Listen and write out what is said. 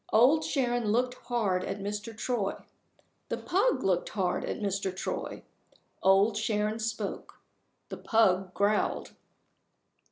Old Sharon looked hard at Mr. Troy. The pug looked hard at Mr. Troy. Old Sharon spoke. The pug growled.